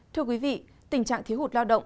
thưa quý vị tình trạng thiếu hụt lao động